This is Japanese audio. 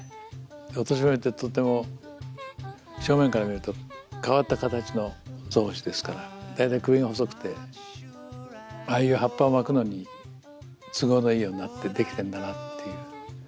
オトシブミってとっても正面から見ると変わった形のゾウムシですから大体首が細くてああいう葉っぱを巻くのに都合のいいようになってできてるんだなっていう。